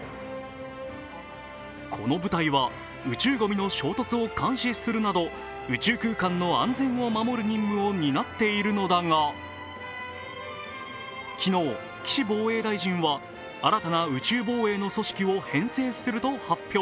この部隊は宇宙ごみの衝突を監視するなど宇宙空間の安全を守る任務を担っているのだが昨日、岸防衛大臣は新たな宇宙防衛の組織を編成すると発表。